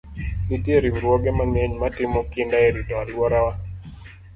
Nitie riwruoge mang'eny matimo kinda e rito alworawa.